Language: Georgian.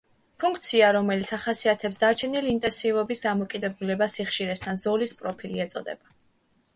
ფუნქცია, რომელიც ახასიათებს დარჩენილ ინტენსივობის დამოკიდებულებას სიხშირესთან, ზოლის პროფილი ეწოდება.